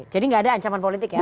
jadi nggak ada ancaman politik ya